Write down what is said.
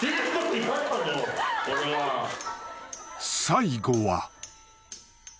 ［最後は］